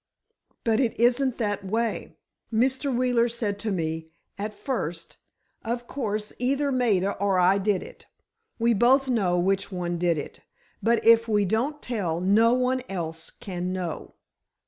"But it isn't that way. Mr. Wheeler said to me, at first: 'Of course, either Maida or I did it. We both know which one did it, but if we don't tell, no one else can know.